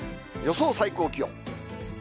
予想最高気温。